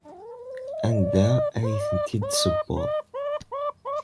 Anda ay ten-id-tessewweḍ?